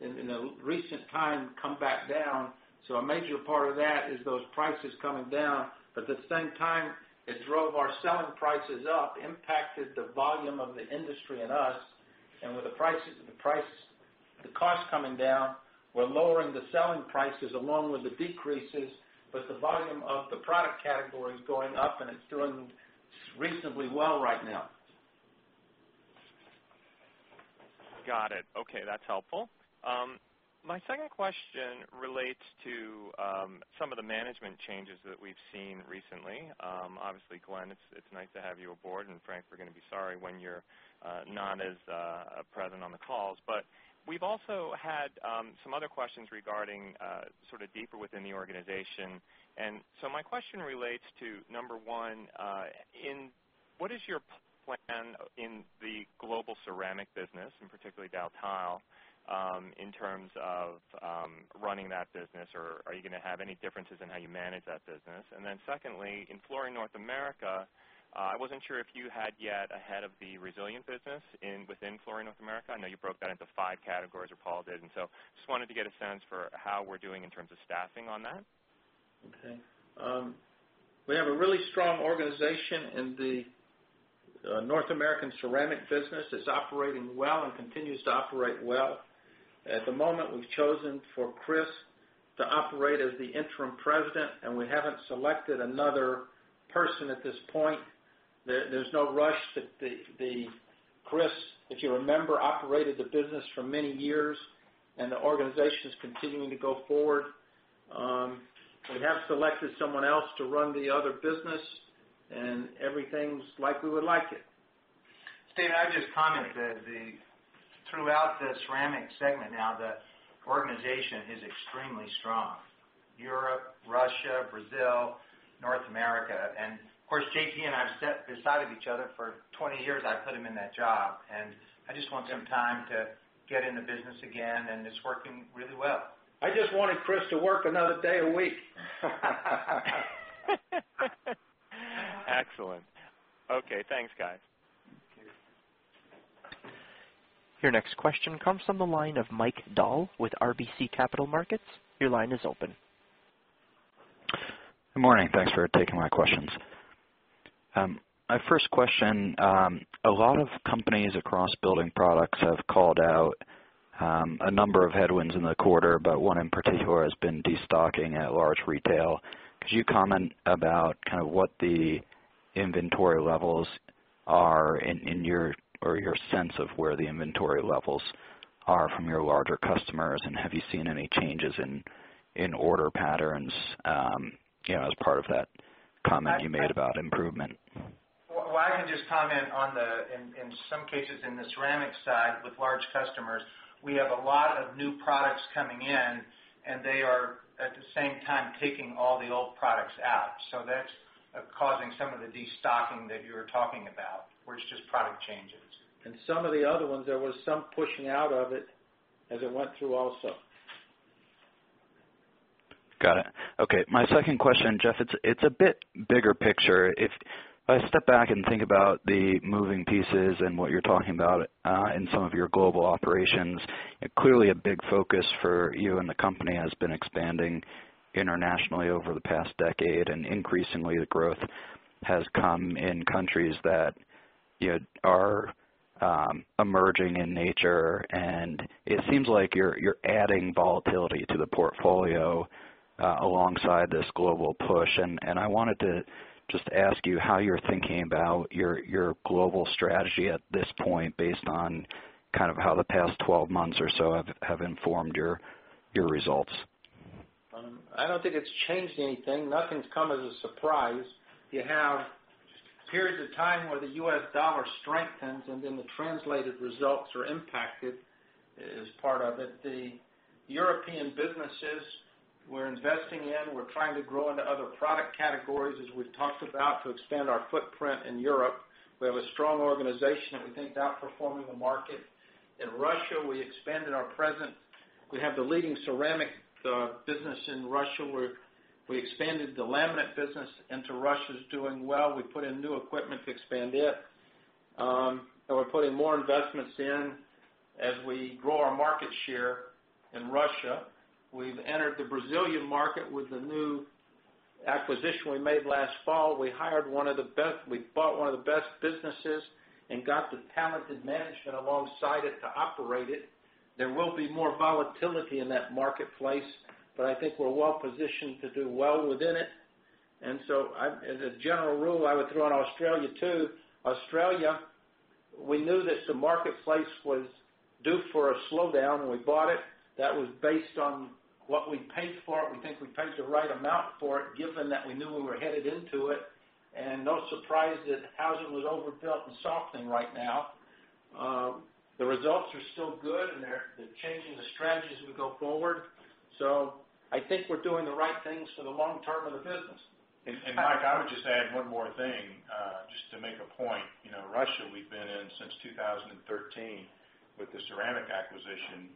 in the recent time, come back down. A major part of that is those prices coming down. At the same time, it drove our selling prices up, impacted the volume of the industry and us. With the cost coming down, we're lowering the selling prices along with the decreases, but the volume of the product category is going up, and it's doing reasonably well right now. Got it. Okay. That's helpful. My second question relates to some of the management changes that we've seen recently. Obviously, Glenn, it's nice to have you aboard, and Frank, we're going to be sorry when you're not as present on the calls. We've also had some other questions regarding deeper within the organization. My question relates to, number one, what is your plan in the Global Ceramic business, in particular Daltile, in terms of running that business, or are you going to have any differences in how you manage that business? Secondly, in Flooring North America, I wasn't sure if you had yet a head of the resilient business within Flooring North America. I know you broke that into five categories, or Paul did. Just wanted to get a sense for how we're doing in terms of staffing on that. Okay. We have a really strong organization in the North American ceramic business. It's operating well and continues to operate well. At the moment, we've chosen for Chris to operate as the Interim President, and we haven't selected another person at this point. There's no rush. Chris, if you remember, operated the business for many years, and the organization's continuing to go forward. We have selected someone else to run the other business, and everything's like we would like it. Stephen, I'd just comment that throughout the ceramic segment now, the organization is extremely strong. Europe, Russia, Brazil, North America. Of course, JT and I've sat beside each other for 20 years. I put him in that job. I just want him time to get in the business again, and it's working really well. I just wanted Chris to work another day a week. Excellent. Okay. Thanks, guys. Thank you. Your next question comes from the line of Mike Dahl with RBC Capital Markets. Your line is open. Good morning. Thanks for taking my questions. My first question, a lot of companies across building products have called out a number of headwinds in the quarter, but one in particular has been destocking at large retail. Could you comment about what the inventory levels are, or your sense of where the inventory levels are from your larger customers, and have you seen any changes in order patterns as part of that comment you made about improvement? Well, I can just comment on the, in some cases, in the ceramic side with large customers, we have a lot of new products coming in, and they are, at the same time, taking all the old products out. That's causing some of the destocking that you were talking about, where it's just product changes. Some of the other ones, there was some pushing out of it as it went through also. Got it. Okay. My second question, Jeff, it's a bit bigger picture. If I step back and think about the moving pieces and what you're talking about in some of your global operations, clearly a big focus for you and the company has been expanding internationally over the past decade. Increasingly the growth has come in countries that are emerging in nature. It seems like you're adding volatility to the portfolio alongside this global push. I wanted to just ask you how you're thinking about your global strategy at this point based on how the past 12 months or so have informed your results. I don't think it's changed anything. Nothing's come as a surprise. You have periods of time where the U.S. dollar strengthens, then the translated results are impacted as part of it. The European businesses we're investing in, we're trying to grow into other product categories, as we've talked about, to expand our footprint in Europe. We have a strong organization that we think outperforming the market. In Russia, we expanded our presence. We have the leading ceramic business in Russia, where we expanded the laminate business into Russia. It's doing well. We put in new equipment to expand it. We're putting more investments in as we grow our market share in Russia. We've entered the Brazilian market with the new acquisition we made last fall. We bought one of the best businesses and got the talented management alongside it to operate it. There will be more volatility in that marketplace, I think we're well-positioned to do well within it. As a general rule, I would throw in Australia, too. Australia, we knew that the marketplace was due for a slowdown, we bought it. That was based on what we paid for it. We think we paid the right amount for it, given that we knew we were headed into it, no surprise that housing was overbuilt and softening right now. The results are still good, they're changing the strategy as we go forward. I think we're doing the right things for the long term of the business. Mike, I would just add one more thing, just to make a point. Russia, we've been in since 2013 with the ceramic acquisition,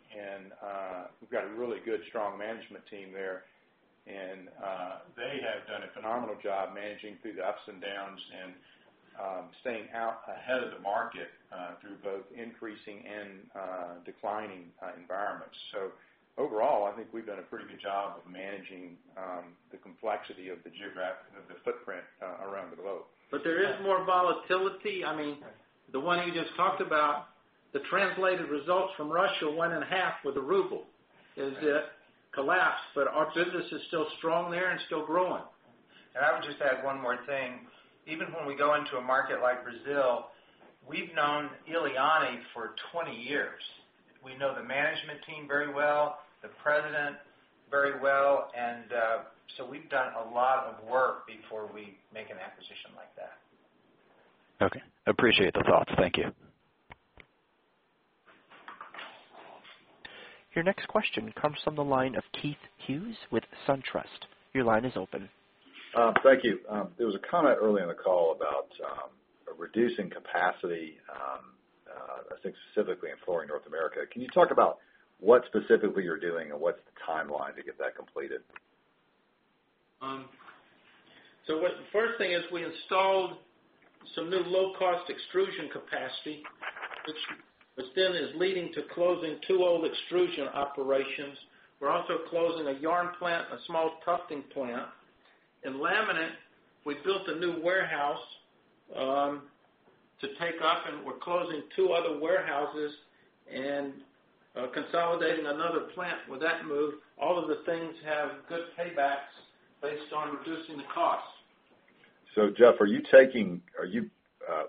we've got a really good, strong management team there. They have done a phenomenal job managing through the ups and downs and staying out ahead of the market through both increasing and declining environments. Overall, I think we've done a pretty good job of managing the complexity of the footprint around the globe. There is more volatility. The one you just talked about, the translated results from Russia went in half with the ruble as it collapsed. Our business is still strong there and still growing. I would just add one more thing. Even when we go into a market like Brazil, we've known Eliane for 20 years. We know the management team very well, the President very well. We've done a lot of work before we make an acquisition like that. Okay. Appreciate the thoughts. Thank you. Your next question comes from the line of Keith Hughes with SunTrust. Your line is open. Thank you. There was a comment early in the call about reducing capacity, I think specifically in Flooring North America. Can you talk about what specifically you're doing and what's the timeline to get that completed? The first thing is we installed some new low-cost extrusion capacity, which then is leading to closing two old extrusion operations. We're also closing a yarn plant, a small tufting plant. In laminate, we built a new warehouse to take off, and we're closing two other warehouses and consolidating another plant with that move. All of the things have good paybacks based on reducing the cost. Jeff, are you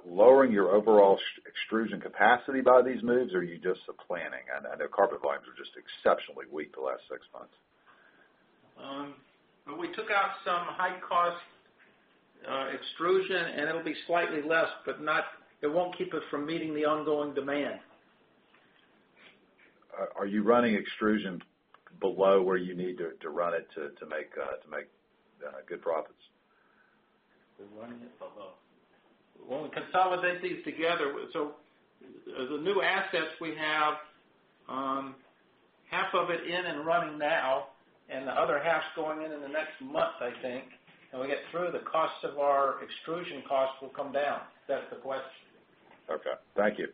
lowering your overall extrusion capacity by these moves, or are you just planning? I know carpet volumes were just exceptionally weak the last six months. We took out some high-cost extrusion, it'll be slightly less, but it won't keep us from meeting the ongoing demand. Are you running extrusion below where you need to run it to make good profits? We're running it below. We consolidate these together. The new assets we have, half of it in and running now and the other half's going in in the next month, I think. When we get through, the cost of our extrusion costs will come down. If that's the question. Okay. Thank you.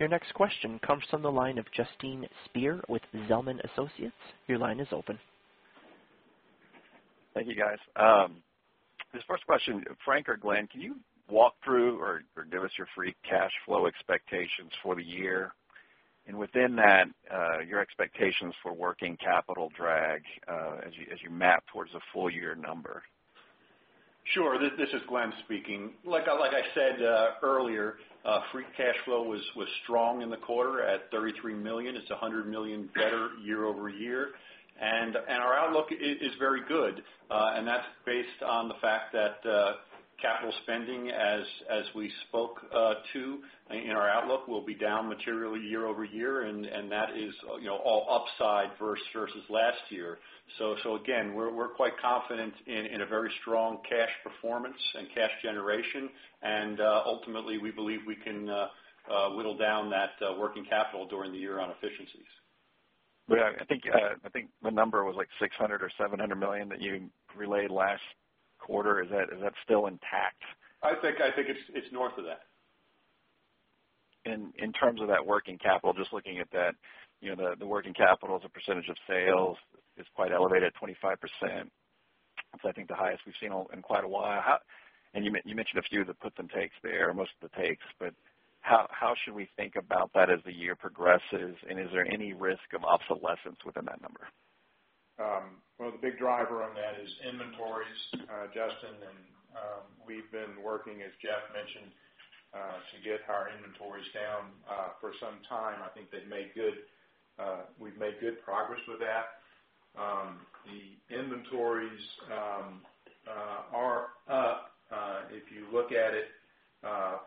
Your next question comes from the line of Justin Speer with Zelman Associates. Your line is open. Thank you, guys. This first question, Frank or Glenn, can you walk through or give us your free cash flow expectations for the year? Within that, your expectations for working capital drag as you map towards a full-year number. Sure. This is Glenn speaking. I said earlier, free cash flow was strong in the quarter at $33 million. It's $100 million better year-over-year. Our outlook is very good. That's based on the fact that capital spending, as we spoke to in our outlook, will be down materially year-over-year, and that is all upside versus last year. Again, we're quite confident in a very strong cash performance and cash generation. Ultimately, we believe we can whittle down that working capital during the year on efficiencies. I think the number was like $600 million or 700 million that you relayed last quarter. I think it's north of that. In terms of that working capital, just looking at that, the working capital as a percentage of sales is quite elevated, 25%. I think the highest we've seen in quite a while. You mentioned a few of the puts and takes there, most of the takes. How should we think about that as the year progresses, and is there any risk of obsolescence within that number? Well, the big driver on that is inventories, Justin, we've been working, as Jeff mentioned to get our inventories down for some time. I think we've made good progress with that. The inventories are up if you look at it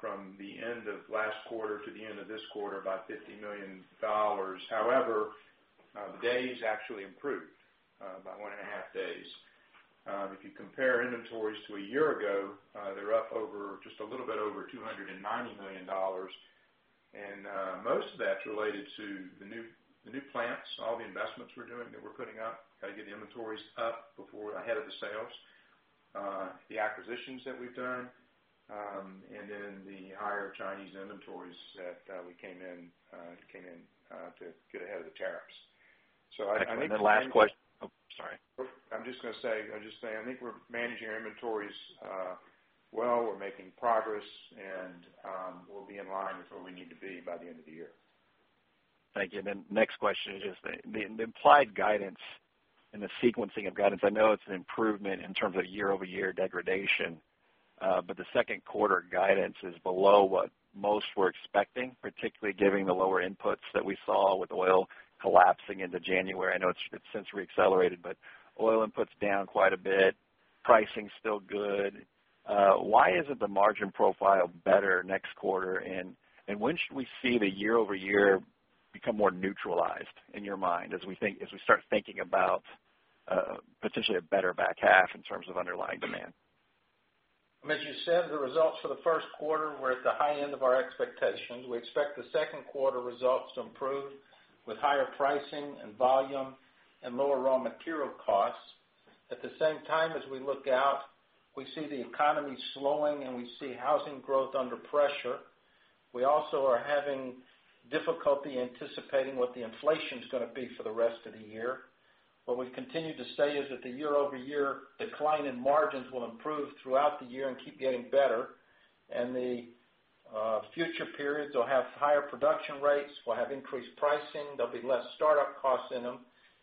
from the end of last quarter to the end of this quarter, by $50 million. However, the days actually improved by 1.5 days. If you compare inventories to a year ago, they're up just a little bit over $290 million, most of that's related to the new plants, all the investments we're doing that we're putting up, got to get the inventories up ahead of the sales. The acquisitions that we've done, then the higher Chinese inventories that we came in to get ahead of the tariffs. I think. Last question-- oh, sorry. I'm just going to say, I think we're managing our inventories well. We're making progress, we'll be in line with where we need to be by the end of the year. Thank you. The next question is the implied guidance and the sequencing of guidance. I know it's an improvement in terms of year-over-year degradation. The second quarter guidance is below what most were expecting, particularly given the lower inputs that we saw with oil collapsing into January. I know it's since re-accelerated, but oil input's down quite a bit. Pricing's still good. Why isn't the margin profile better next quarter, and when should we see the year-over-year become more neutralized in your mind as we start thinking about potentially a better back half in terms of underlying demand? As you said, the results for the first quarter were at the high end of our expectations. We expect the second quarter results to improve with higher pricing and volume and lower raw material costs. At the same time, as we look out, we see the economy slowing, and we see housing growth under pressure. We also are having difficulty anticipating what the inflation's going to be for the rest of the year. What we've continued to say is that the year-over-year decline in margins will improve throughout the year and keep getting better. The future periods will have higher production rates, will have increased pricing, there'll be less startup costs in them,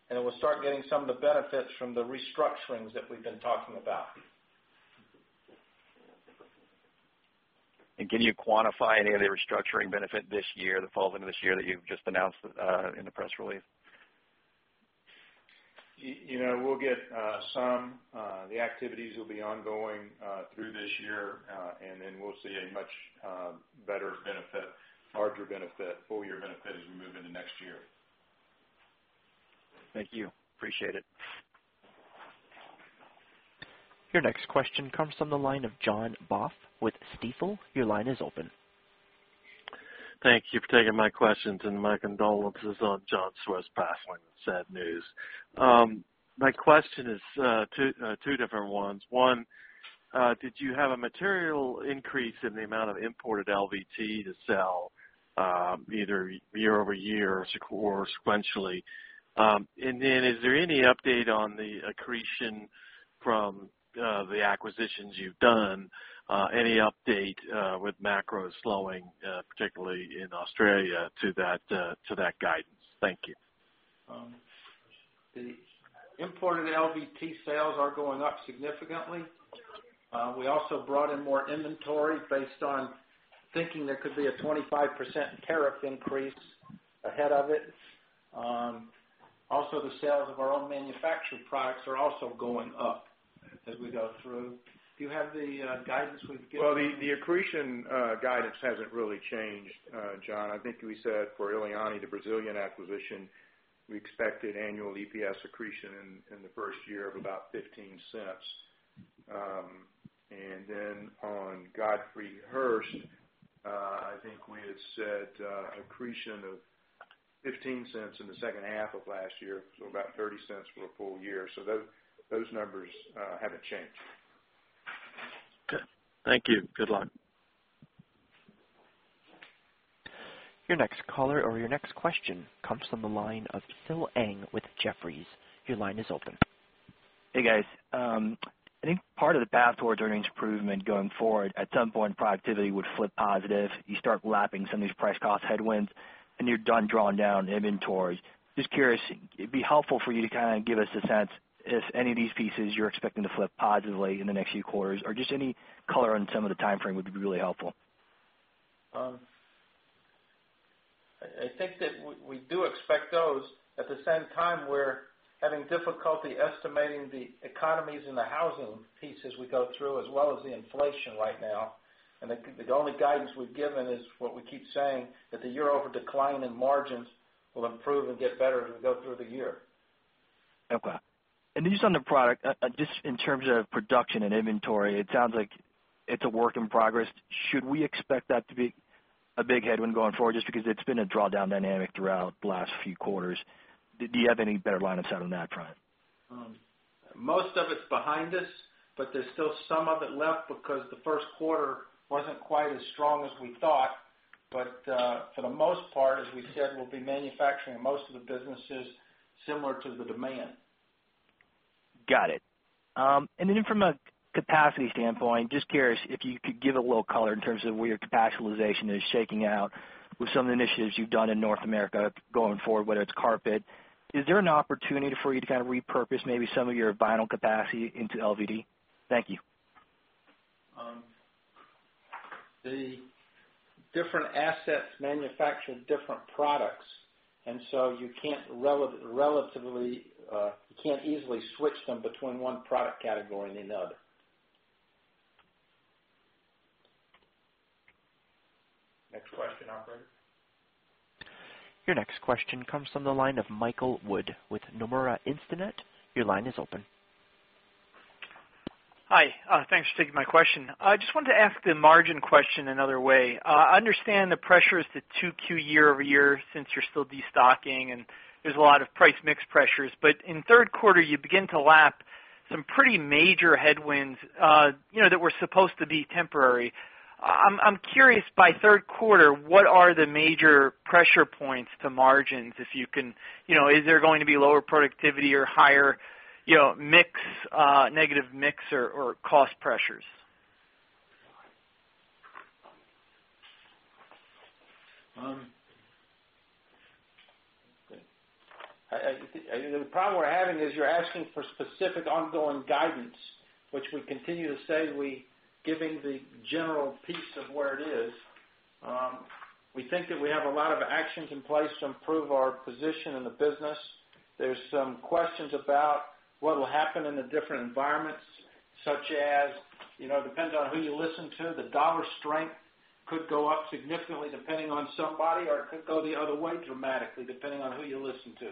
and then we'll start getting some of the benefits from the restructurings that we've been talking about. Can you quantify any of the restructuring benefit this year, the fall into this year that you've just announced in the press release? We'll get some. The activities will be ongoing through this year, and then we'll see a much better benefit, larger benefit, full year benefit as we move into next year. Thank you. Appreciate it. Your next question comes from the line of John Baugh with Stifel. Your line is open. Thank you for taking my questions, and my condolences on John Swift's passing. Sad news. My question is two different ones. One, did you have a material increase in the amount of imported LVT to sell either year-over-year or sequentially? Is there any update on the accretion from the acquisitions you've done? Any update with macro slowing, particularly in Australia to that guidance? Thank you. The imported LVT sales are going up significantly. We also brought in more inventory based on thinking there could be a 25% tariff increase ahead of it. The sales of our own manufactured products are also going up as we go through. Do you have the guidance we've given? Well, the accretion guidance hasn't really changed, John. I think we said for Eliane, the Brazilian acquisition, we expected annual EPS accretion in the first year of about $0.15. On Godfrey Hirst, I think we had said accretion of $0.15 in the second half of last year, about $0.30 for a full year. Those numbers haven't changed. Okay. Thank you. Good luck. Your next caller or your next question comes from the line of Phil Ng with Jefferies. Your line is open. Hey, guys. I think part of the path towards earnings improvement going forward, at some point, productivity would flip positive. You start lapping some of these price cost headwinds, and you're done drawing down inventories. Just curious, it'd be helpful for you to kind of give us a sense if any of these pieces you're expecting to flip positively in the next few quarters or just any color on some of the timeframe would be really helpful. I think that we do expect those. At the same time, we're having difficulty estimating the economies in the housing pieces we go through, as well as the inflation right now. The only guidance we've given is what we keep saying, that the year-over decline in margins will improve and get better as we go through the year. Okay. Just on the product, just in terms of production and inventory, it sounds like it's a work in progress. Should we expect that to be a big headwind going forward? Just because it's been a drawdown dynamic throughout the last few quarters. Do you have any better line of sight on that front? Most of it's behind us, there's still some of it left because the first quarter wasn't quite as strong as we thought. For the most part, as we said, we'll be manufacturing most of the businesses similar to the demand. Got it. Then from a capacity standpoint, just curious if you could give a little color in terms of where your capacitization is shaking out with some of the initiatives you've done in North America going forward, whether it's carpet. Is there an opportunity for you to kind of repurpose maybe some of your vinyl capacity into LVT? Thank you. The different assets manufacture different products, you can't easily switch them between one product category and another. Next question, Operator. Your next question comes from the line of Michael Wood with Nomura Instinet. Your line is open. Hi. Thanks for taking my question. I just wanted to ask the margin question another way. I understand the pressure is to 2Q year-over-year since you're still destocking, there's a lot of price mix pressures. In the third quarter, you begin to lap some pretty major headwinds that were supposed to be temporary. I'm curious, by the third quarter, what are the major pressure points to margins, if you can. Is there going to be lower productivity or higher negative mix or cost pressures? The problem we're having is you're asking for specific ongoing guidance, which we continue to say we giving the general piece of where it is. We think that we have a lot of actions in place to improve our position in the business. There's some questions about what will happen in the different environments, such as, depends on who you listen to. The dollar strength could go up significantly depending on somebody, or it could go the other way dramatically, depending on who you listen to.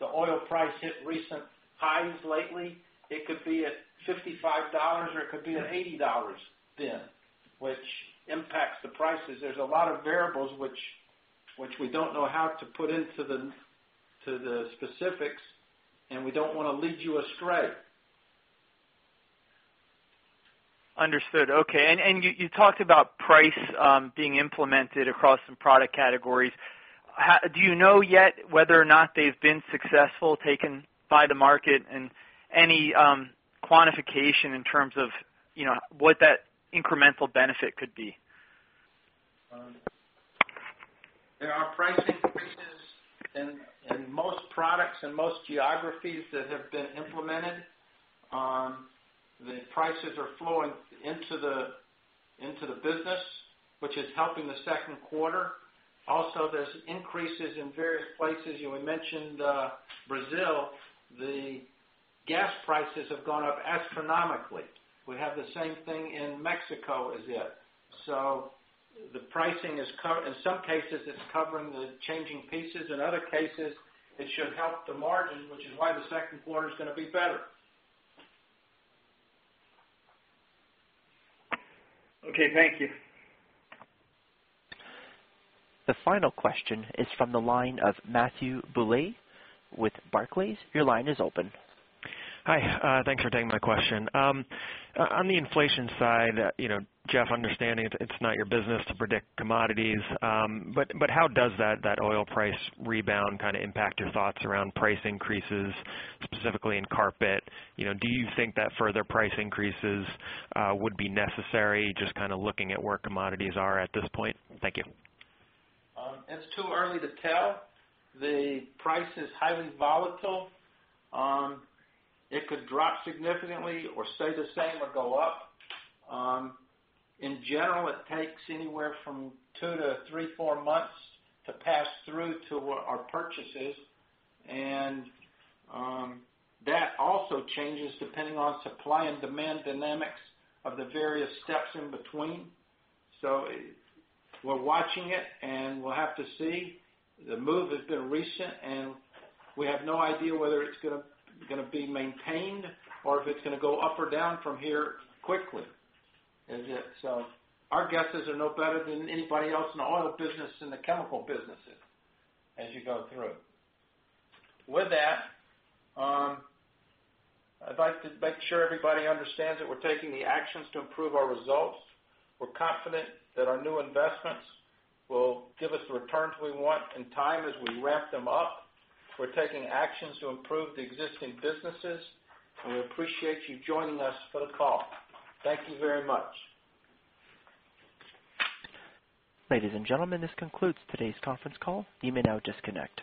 The oil price hit recent highs lately. It could be at $55, or it could be at 80 then, which impacts the prices. There's a lot of variables which we don't know how to put into the specifics, we don't want to lead you astray. Understood. Okay. You talked about price being implemented across some product categories. Do you know yet whether or not they've been successful taken by the market and any quantification in terms of what that incremental benefit could be? There are price increases in most products and most geographies that have been implemented. The prices are flowing into the business, which is helping the second quarter. There's increases in various places. You had mentioned Brazil. The gas prices have gone up astronomically. We have the same thing in Mexico as it. The pricing is, in some cases, it's covering the changing pieces. In other cases, it should help the margin, which is why the second quarter is going to be better. Okay. Thank you. The final question is from the line of Matthew Bouley with Barclays. Your line is open. Hi. Thanks for taking my question. On the inflation side, Jeff, understanding it's not your business to predict commodities. How does that oil price rebound kind of impact your thoughts around price increases, specifically in carpet? Do you think that further price increases would be necessary, just kind of looking at where commodities are at this point? Thank you. It's too early to tell. The price is highly volatile. It could drop significantly or stay the same or go up. In general, it takes anywhere from two to three, four months to pass through to our purchases. That also changes depending on supply and demand dynamics of the various steps in between. We're watching it, and we'll have to see. The move has been recent, and we have no idea whether it's going to be maintained or if it's going to go up or down from here quickly. Our guesses are no better than anybody else in the oil business, in the chemical businesses, as you go through. With that, I'd like to make sure everybody understands that we're taking the actions to improve our results. We're confident that our new investments will give us the returns we want in time as we ramp them up. We're taking actions to improve the existing businesses. We appreciate you joining us for the call. Thank you very much. Ladies and gentlemen, this concludes today's conference call. You may now disconnect.